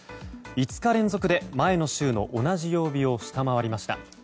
５日連続で前の週の同じ曜日を下回りました。